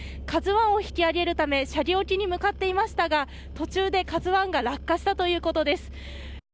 「ＫＡＺＵ１」を引き揚げるため斜里沖に向かっていましたが途中で「ＫＡＺＵ１」が落下したということです。